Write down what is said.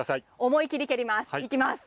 思い切り蹴ります。